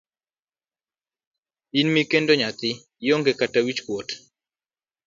In mikendo nyathi, ionge kata wich kuot?